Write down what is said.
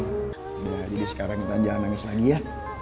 udah jadi sekarang kita jangan nangis lagi ya